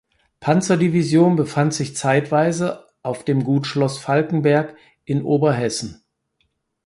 Panzerdivision befand sich zeitweise auf dem Gut Schloß Falkenberg in Oberhessen.